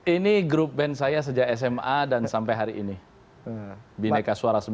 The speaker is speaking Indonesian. ini grup band saya sejak sma dan sampai hari ini bineka suara sembilan